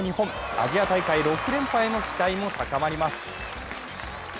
アジア大会６連覇へ期待も高まります。